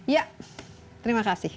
ya terima kasih